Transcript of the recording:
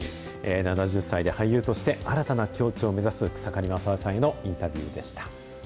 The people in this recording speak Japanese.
７０歳で俳優として新たな境地を目指す草刈正雄さんへのインタビューでした。